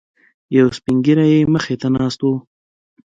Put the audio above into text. یو سپینږیری یې مخې ته ناست و.